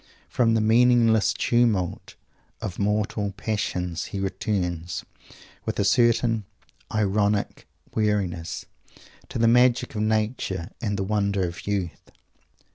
From the meaningless tumult of mortal passions he returns, with a certain ironic weariness, to the magic of Nature and the wonder of youth.